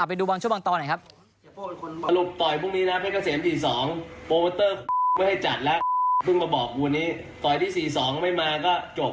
ไปดูกันชั้นบางชั่วบางตอนไหมครับ